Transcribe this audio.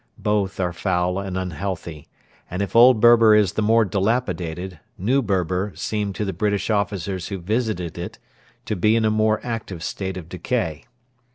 Both are foul and unhealthy; and if Old Berber is the more dilapidated, New Berber seemed to the British officers who visited it to be in a more active state of decay.